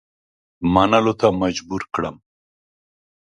منلو ته مجبور کړم.